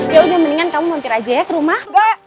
ya udah mendingan kamu mumpir aja ya ke rumah